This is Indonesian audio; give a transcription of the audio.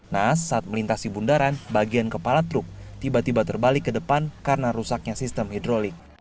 nah saat melintasi bundaran bagian kepala truk tiba tiba terbalik ke depan karena rusaknya sistem hidrolik